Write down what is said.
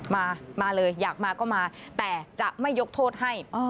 มามาเลยอยากมาก็มาแต่จะไม่ยกโทษให้